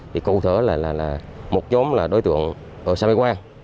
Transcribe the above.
thì cụ thể là một nhóm là đối tượng ở sài gòn